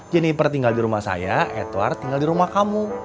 jenniper tinggal di rumah saya edward tinggal di rumah kamu